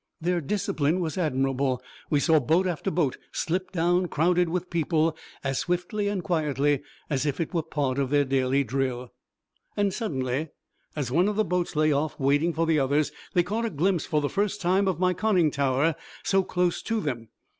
Their discipline was admirable. We saw boat after boat slip down crowded with people as swiftly and quietly as if it were part of their daily drill. And suddenly, as one of the boats lay off waiting for the others, they caught a glimpse for the first time of my conning tower so close to them.